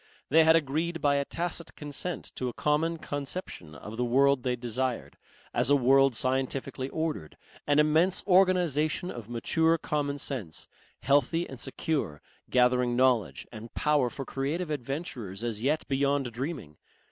They had agreed by a tacit consent to a common conception of the world they desired as a world scientifically ordered, an immense organization of mature commonsense, healthy and secure, gathering knowledge and power for creative adventures as yet beyond dreaming.